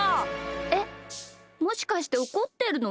えっもしかしておこってるの？